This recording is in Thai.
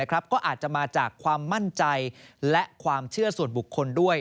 ก็อาจจะมาจากความมั่นใจและความเชื่อส่วนบุคคลด้วย